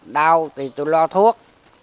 đau thì tôi lo thuốc